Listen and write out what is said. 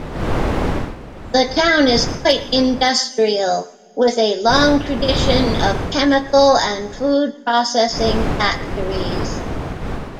The town is quite industrial with a long tradition of chemical and food-processing factories.